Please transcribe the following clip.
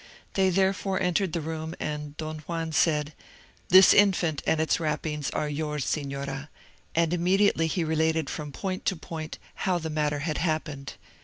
They therefore entered the room, and Don Juan said, "This infant and its wrappings are yours, Signora;" and immediately he related from point to point how the matter had happened.